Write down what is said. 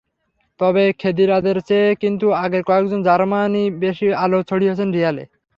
তবে খেদিরাদের চেয়ে কিন্তু আগের কয়েকজন জার্মানই বেশি আলো ছড়িয়েছেন রিয়ালে।